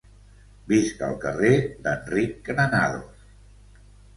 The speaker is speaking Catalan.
Visc al carrer d'Enric Granados